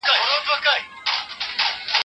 خندا په کورنۍ کې مینه زیاتوي.